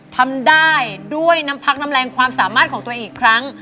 ทำได้ด้วยน้ำพักน้ำแรงความสามารถของตัวเองอีกครั้ง